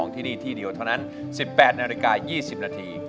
ที่นี่ที่เดียวเท่านั้น๑๘นาฬิกา๒๐นาที